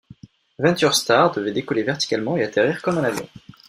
VentureStar devait décoller verticalement et atterrir comme un avion.